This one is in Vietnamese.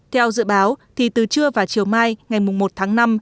theo dự báo thì từ trưa và chiều mai ngày một tháng năm